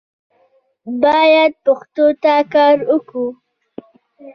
باید پښتو ته کار وکړو